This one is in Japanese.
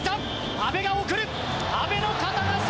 阿部が送る。